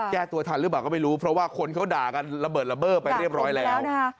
แก้ตัวทันหรือเปล่าก็ไม่รู้เพราะว่าคนเขาด่ากันระเบิดระเบิดไปเรียบร้อยแล้ว